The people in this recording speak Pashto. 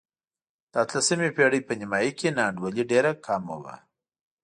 د اتلسمې پېړۍ په نیمايي کې نا انډولي ډېره کمه وه.